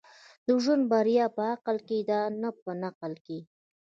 د ژوند بريا په عقل کي ده، نه په نقل کي.